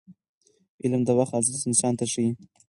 علم د وخت ارزښت انسان ته ښيي.